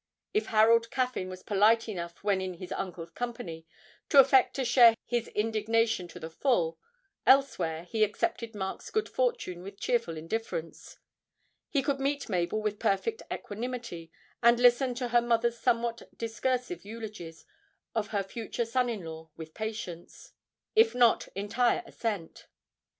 If Harold Caffyn was polite enough when in his uncle's company to affect to share his indignation to the full, elsewhere he accepted Mark's good fortune with cheerful indifference; he could meet Mabel with perfect equanimity, and listen to her mother's somewhat discursive eulogies of her future son in law with patience, if not entire assent.